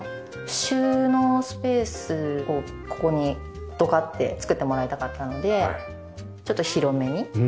収納スペースをここにドカッて作ってもらいたかったのでちょっと広めに。